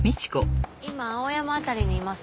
今青山辺りにいます。